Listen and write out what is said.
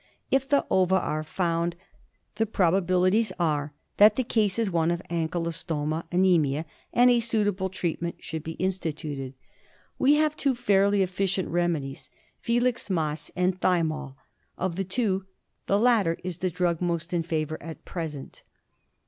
If the ova are found the probabilities are that the case is one of anky lostoma anaemia, and a suitable treatment should be instituted. We have two fairly efficient remedies — filix mas and thymol. Of the two the latter is the drug most in favour at present.